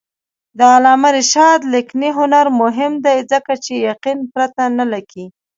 د علامه رشاد لیکنی هنر مهم دی ځکه چې یقین پرته نه لیکي.